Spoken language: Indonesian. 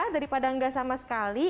daripada nggak sama sekali